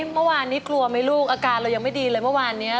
เมื่อวานนี้กลัวไหมลูกอาการเรายังไม่ดีเลยเมื่อวานนี้